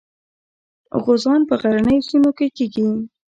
غوزان په غرنیو سیمو کې کیږي.